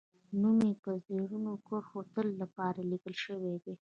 نوم یې په زرینو کرښو د تل لپاره لیکل شوی دی